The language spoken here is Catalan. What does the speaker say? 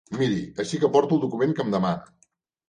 Miri, així que porto el document que em demana.